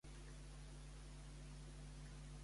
Quina carrera universitària fe?